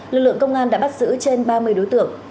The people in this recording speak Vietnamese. lực lượng công an đã bắt giữ trên ba mươi đối tượng